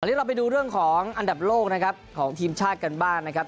วันนี้เราไปดูเรื่องของอันดับโลกนะครับของทีมชาติกันบ้างนะครับ